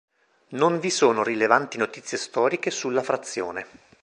Non vi sono rilevanti notizie storiche sulla frazione.